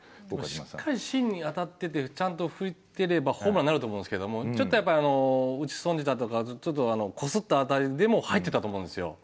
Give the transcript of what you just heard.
しっかり芯に当たっててちゃんと振ってればホームランになると思うんですけれどもちょっとやっぱり打ち損じたとかちょっとこすった当たりでも入ってたと思うんですよ